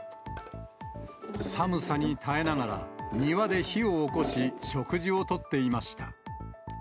寒さに耐えながら、庭で火を起こし、食事をとっていました。